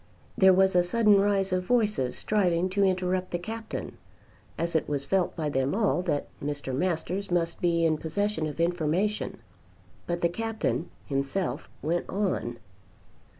There was a sudden rise of voices striving to interrupt the Captain, as it was felt by them all that Mr. Masters must be in possession of information; but the Captain himself went on.